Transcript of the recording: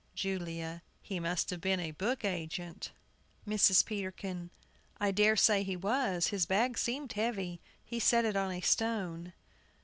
JULIA. He must have been a book agent. MRS. PETERKIN. I dare say he was; his bag seemed heavy. He set it on a stone.